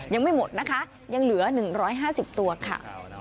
ยังไม่หมดนะคะยังเหลือ๑๕๐ตัวค่ะ